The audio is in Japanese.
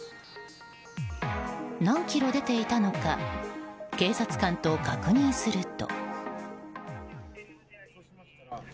何キロ出ていたのか警察官と確認すると。